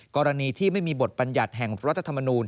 กรณีที่ไม่มีบทบัญญัติแห่งรัฐธรรมนูล